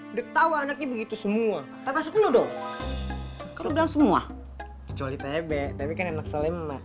udah tahu anaknya begitu semua pas ke dulu kalau udah semua kecuali tebe tapi kan enak selamat